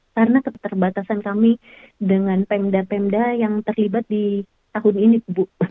karena keterbatasan kami dengan pemda pemda yang terlibat di tahun ini ibu